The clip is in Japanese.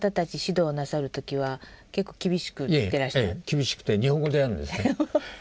厳しくて日本語でやるんですね。